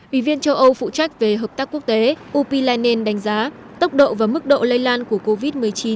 ủy viên châu âu phụ trách về hợp tác quốc tế u p lannan đánh giá tốc độ và mức độ lây lan của covid một mươi chín